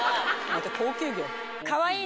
また高級魚。